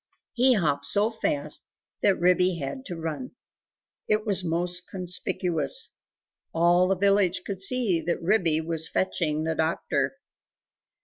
He hopped so fast that Ribby had to run. It was most conspicuous. All the village could see that Ribby was fetching the doctor.